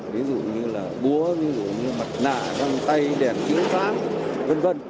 ví dụ như là búa ví dụ như mặt nạ đăng tay đèn chữa sáng v v